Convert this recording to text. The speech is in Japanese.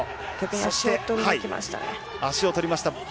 そして足を取りました。